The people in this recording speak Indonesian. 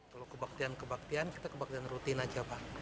kalau kebaktian kebaktian kita kebaktian rutin aja pak